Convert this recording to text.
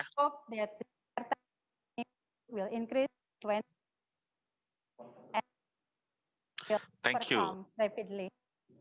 jadi poin saya adalah